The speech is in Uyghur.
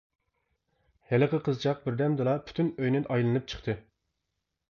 ھېلىقى قىزچاق بىردەمدىلا پۈتۈن ئۆينى ئايلىنىپ چىقتى.